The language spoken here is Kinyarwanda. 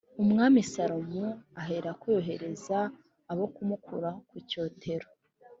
Umwami Salomo aherako yohereza abo kumukura ku cyotero.